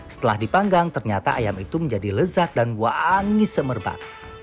setelah dipanggang ternyata ayam itu menjadi lezat dan wangi semerbat